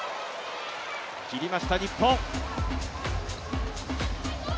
切りました、日本。